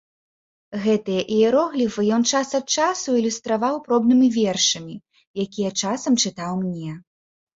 Гэтыя іерогліфы ён час ад часу ілюстраваў пробнымі вершамі, якія часам чытаў мне.